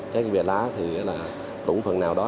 trái với bìa lá thì cũng phần nào đó